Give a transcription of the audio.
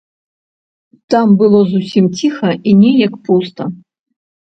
Там было зусім ціха і неяк пуста.